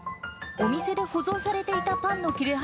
お店で保存されていたパンの切れ端